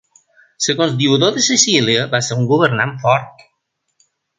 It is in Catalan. Segons Diodor de Sicília va ser un governant fort.